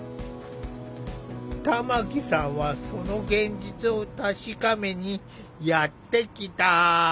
玉木さんはその現実を確かめにやって来た。